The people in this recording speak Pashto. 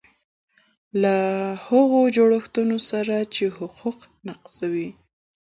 له هغو جوړښتونو سره چې حقوق نقضوي.